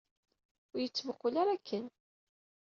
Ur iyi-d-ttmuqqul ara akken!